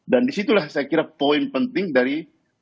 dan disitulah saya kira poin penting dari